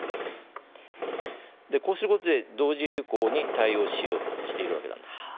こうすることで同時流行に対応しようとしているわけなんです。